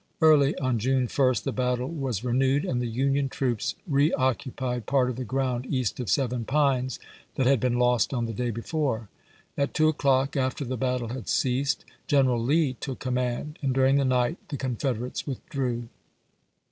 Early on June first the battle was renewed, and the Union troops reoccupied part of the ground east of Seven Pines that had been lost on the day before. At two o'clock, after the battle had ceased, General Lee took command, and dui'ing the night the Confederates withdrew.